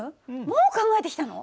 もう考えてきたの？